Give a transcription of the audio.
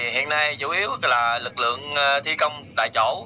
hiện nay chủ yếu là lực lượng thi công tại chỗ